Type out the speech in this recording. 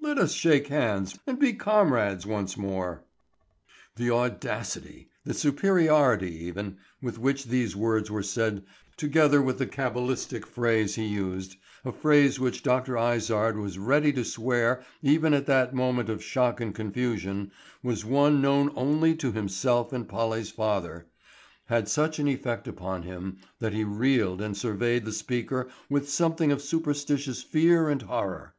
Let us shake hands and be comrades once more." The audacity, the superiority even, with which these words were said, together with the cabalistic phrase he used—a phrase which Dr. Izard was ready to swear even at that moment of shock and confusion, was one known only to himself and Polly's father,—had such an effect upon him that he reeled and surveyed the speaker with something of superstitious fear and horror.